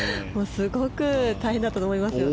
すごく大変だったと思います。